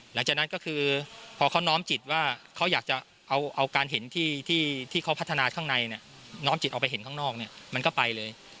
หลังจากนั้นก็คือพอเขาน้อมจิตว่าเขาอยากจะเอาการเห็นที่เขาพัฒนาข้างในเนี่ยน้อมจิตออกไปเห็นข้างนอกเนี่ยมันก็ไปเลย